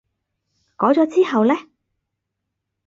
改咗之後呢？